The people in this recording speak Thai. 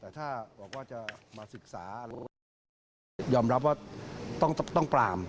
แต่ถ้าบอกว่าจะมาศึกษายอมรับว่าต้องต้องปราม